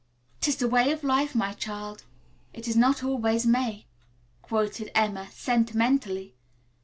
"'Tis the way of life, my child. 'It is not always May,'" quoted Emma sentimentally.